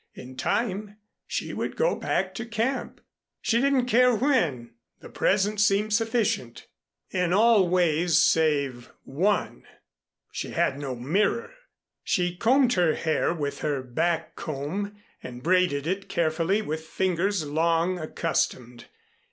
In time she would go back to camp. She didn't care when the present seemed sufficient. In all ways save one she had no mirror. She combed her hair with her back comb and braided it carefully with fingers long accustomed.